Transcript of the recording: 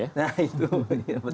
nah itu benar